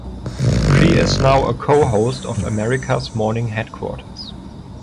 She is now a co-host of "America's Morning Headquarters".